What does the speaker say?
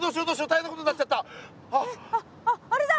ああれだ！